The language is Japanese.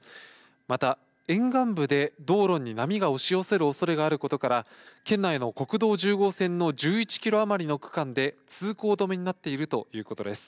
また沿岸部で道路に波が押し寄せるおそれがあることから、県内の国道１０号線の１１キロ余りの区間で、通行止めになっているということです。